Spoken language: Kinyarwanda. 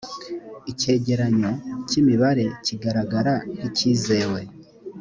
icyegeranyo cy’mibare kigaragara nk’icyizewe